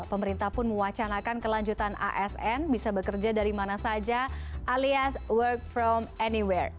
pemerintah pun mewacanakan kelanjutan asn bisa bekerja dari mana saja alias work from anywhere